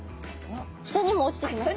下にも落ちてきました。